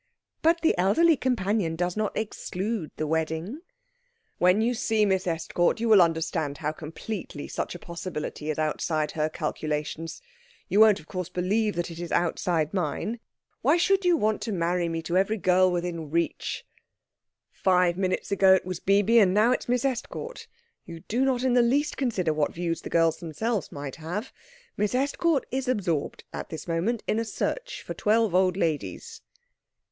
"But the elderly companion does not exclude the wedding." "When you see Miss Estcourt you will understand how completely such a possibility is outside her calculations. You won't of course believe that it is outside mine. Why should you want to marry me to every girl within reach? Five minutes ago it was Bibi, and now it is Miss Estcourt. You do not in the least consider what views the girls themselves might have. Miss Estcourt is absorbed at this moment in a search for twelve old ladies."